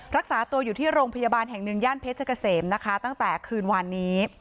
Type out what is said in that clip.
รักษาตัวอยู่ที่โรงพยาบาลแห่งหนึ่งย่านเพชรเกษมนะคะตั้งแต่คืนวันนี้